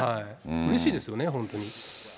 うれしいですよね、本当に。